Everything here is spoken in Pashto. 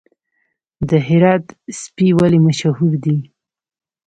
د هرات سپي ولې مشهور دي؟